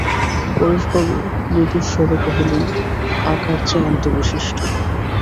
পরেশবাবু মৃদুস্বরে কহিলেন, আকার যে অন্তবিশিষ্ট।